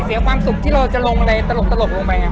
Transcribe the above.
เสียความสุขที่เราจะลงอะไรตลกลงไปไง